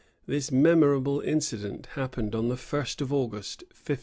This memorable incident happened on the first of August, 1589.